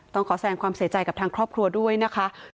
ต้องขอแสงความเสียใจกับทางครอบครัวด้วยนะคะ